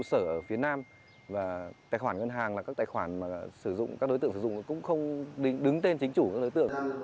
tài khoản ngân hàng ở phía nam và tài khoản ngân hàng là các tài khoản mà các đối tượng sử dụng cũng không đứng tên chính chủ của các đối tượng